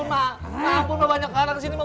mampun mak banyak orang di sini mak